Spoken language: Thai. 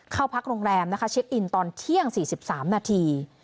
เข้าพักโรงแรมนะคะเช็คอินตอนเที่ยง๔๓นาที